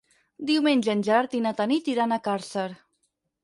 Diumenge en Gerard i na Tanit iran a Càrcer.